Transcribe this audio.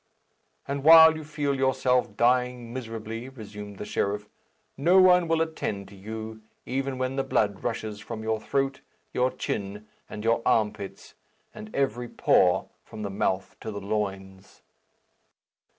"And while you feel yourself dying miserably," resumed the sheriff, "no one will attend to you, even when the blood rushes from your throat, your chin, and your armpits, and every pore, from the mouth to the loins."